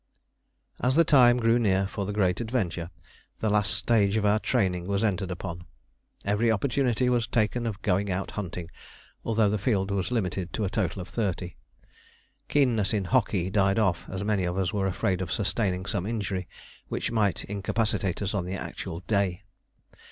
As the time grew near for the great adventure, the last stage of our training was entered upon. Every opportunity was taken of going out hunting, although the field was limited to a total of thirty. Keenness in hockey died off, as many of us were afraid of sustaining some injury which might incapacitate us on the actual day.